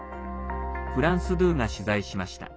フランス２が取材しました。